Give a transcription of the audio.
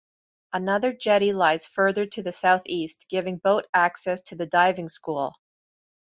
Another jetty lies further to the southeast, giving boat access to the diving school.